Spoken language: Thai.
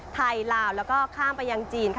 ไทยลาวและข้ามไปยังจีน